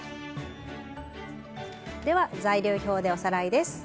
材料表でおさらいです。